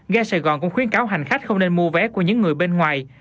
ga sài gòn cũng khuyến cáo hành khách không nên mua vé của những người bên ngoài